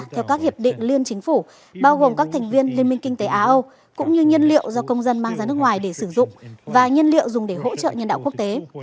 theo các hiệp định liên chính phủ bao gồm các thành viên liên minh kinh tế á âu cũng như nhiên liệu do công dân mang ra nước ngoài để sử dụng và nhiên liệu dùng để hỗ trợ nhân đạo quốc tế